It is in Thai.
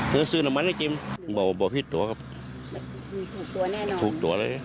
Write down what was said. เธอซื้อน้ำมันให้กินบอกบอกผิดตัวครับมีหุ้กตัวแน่นอนหุ้กตัวเลย